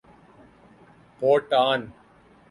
Bhutan